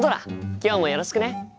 今日もよろしくね。